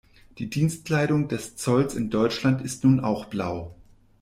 Die Dienstkleidung des Zolls in Deutschland ist nun auch blau.